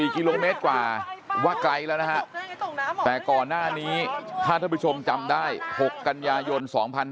๔กิโลเมตรกว่าว่าไกลแล้วนะฮะแต่ก่อนหน้านี้ถ้าท่านผู้ชมจำได้๖กันยายน๒๕๖๒